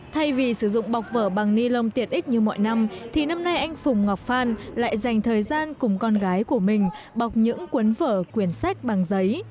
thay vì sử dụng bọc vở bằng ni lông tiệt ích như mọi năm thì năm nay anh phùng ngọc phan lại dành thời gian cùng con gái của mình bọc những cuốn vở quyển sách bằng giấy